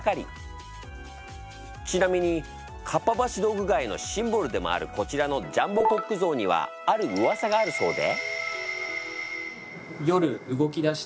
ちなみにかっぱ橋道具街のシンボルでもあるこちらのジャンボコック像にはあるウワサがあるそうで。